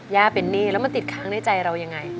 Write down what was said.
เป็นหนี้แล้วมันติดค้างในใจเรายังไง